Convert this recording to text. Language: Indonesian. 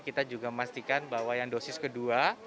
kita juga memastikan bahwa yang dosis kedua